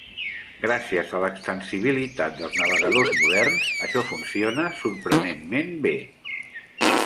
Gràcies a l'extensibilitat dels navegadors moderns, això funciona sorprenentment bé.